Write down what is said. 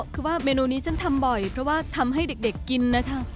คือว่าเมนูนี้ฉันทำบ่อยเพราะว่าทำให้เด็กกินนะคะ